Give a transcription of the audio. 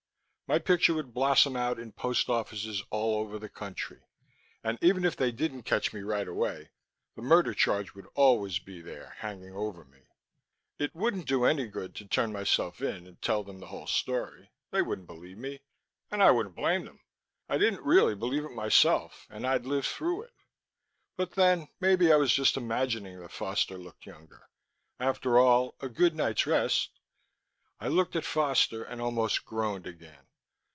My picture would blossom out in post offices all over the country; and even if they didn't catch me right away, the murder charge would always be there, hanging over me. It wouldn't do any good to turn myself in and tell them the whole story; they wouldn't believe me, and I wouldn't blame them. I didn't really believe it myself, and I'd lived through it. But then, maybe I was just imagining that Foster looked younger. After all, a good night's rest I looked at Foster, and almost groaned again.